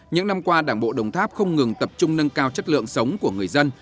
những năm qua đảng bộ đồng tháp không ngừng tập trung nâng cao chất lượng sống của người dân